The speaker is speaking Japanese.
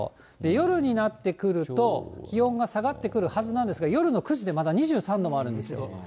夜になってくると、気温が下がってくるはずなんですが、夜の９時でまだ２３度もあるんですよ。